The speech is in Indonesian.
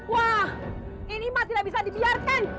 wah ini mah tidak bisa dibiarkan